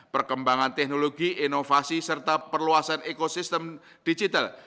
perkembangan teknologi inovasi serta perluasan ekosistem digital